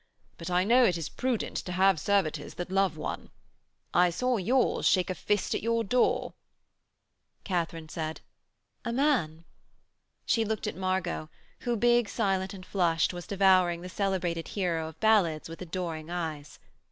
But I know it is prudent to have servitors that love one. I saw yours shake a fist at your door.' Katharine said: 'A man?' She looked at Margot, who, big, silent and flushed, was devouring the celebrated hero of ballads with adoring eyes.